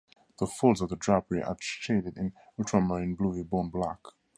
The folds of the drapery are shaded in ultramarine blue with bone black.